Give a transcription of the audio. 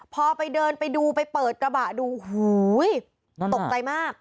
พอไปเดินไปดูไปเปิดกระบะดูโอ้โหตกใจมาก